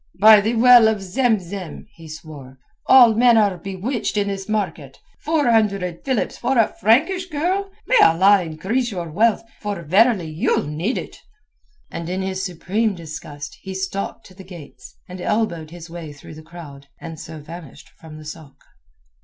"By the Well of Zem Zem," he swore, "all men are bewitched in this market. Four hundred philips for a Frankish girl! May Allah increase your wealth, for verily you'll need it." And in his supreme disgust he stalked to the gates, and elbowed his way through the crowd, and so vanished from the sôk.